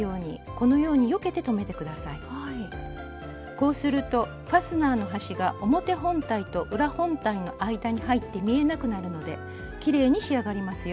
こうするとファスナーの端が表本体と裏本体の間に入って見えなくなるのできれいに仕上がりますよ。